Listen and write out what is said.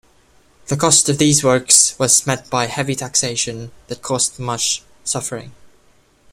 The cost of these works was met by heavy taxation that caused much suffering.